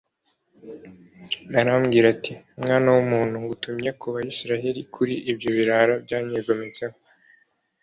Arambwira ati «Mwana w’umuntu, ngutumye ku Bayisraheli, kuri ibyo birara byanyigometseho